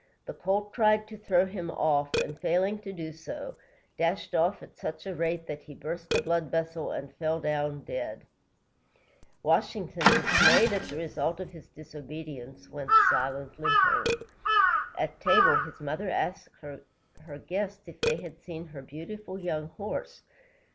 The colt tried to throw him off, and, failing to do so, dashed off at such a rate that he burst a blood vessel and fell down dead. [Illustration: Washington and the Colt.] Washington, dismayed at the result of his disobedience, went silently home. At table, his mother asked her guests if they had seen her beautiful young horse.